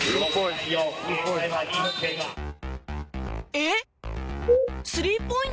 えっ？